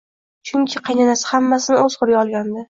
Chunki qaynanasi hammasini o`z qo`liga olgandi